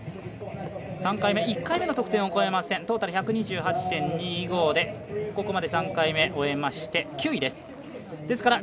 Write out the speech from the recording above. ３回目、１回目の得点を超えませんトータル１２８．２５でここまで３回目を終えまして、９位です。